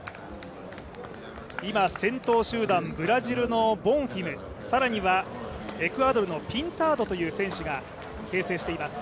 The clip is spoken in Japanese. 今、先頭集団、ブラジルのボンフィム、さらにはエクアドルのピンタードという選手が形成しています。